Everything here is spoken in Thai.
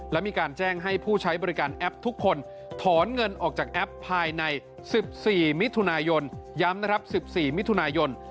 และมีการแจ้งให้ผู้ใช้บริการแอปทุกคนถอนเงินออกจากแอปภายใน๑๔มิถุนายนย้ำนะครับ๑๔มิถุนายน